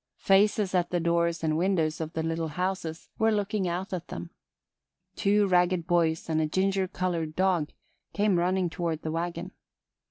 Faces at the doors and windows of the little houses were looking out at them. Two ragged boys and a ginger colored dog came running toward the wagon.